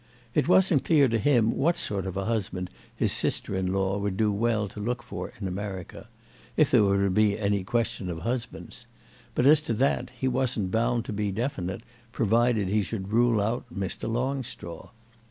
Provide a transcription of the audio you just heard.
It wasn't clear to him what sort of a husband his sister in law would do well to look for in America—if there were to be any question of husbands; but as to that he wasn't bound to be definite provided he should rule out Mr. Longstraw.